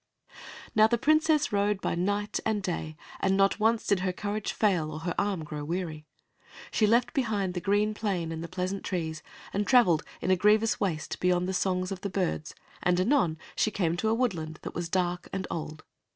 Now, the Princess rode by night and day, and not once did her courage fail or her arm grow weary. She left behind the green plain and the pleasant trees, and traveled in a grievous waste beyond the songs of birds, and anon she came to a woodland that was dark and old.